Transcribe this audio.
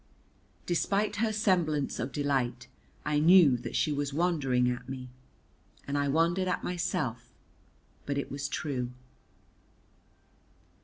Despite her semblance of delight I knew that she was wondering at me, and I wondered at myself, but it was true.